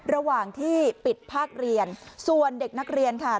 ระหว่างที่ปิดภาคเรียนส่วนเด็กนักเรียนค่ะ